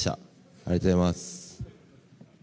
ありがとうございます。